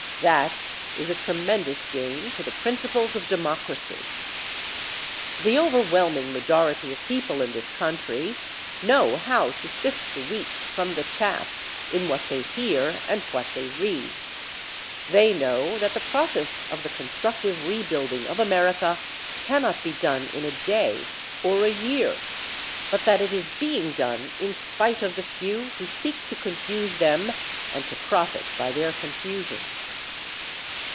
That is a tremendous gain for the principles of democracy. The overwhelming majority of people in this country know how to sift the wheat from the chaff in what they hear and what they read. They know that the process of the constructive rebuilding of America cannot be done in a day or a year, but that it is being done in spite of the few who seek to confuse them and to profit by their confusion.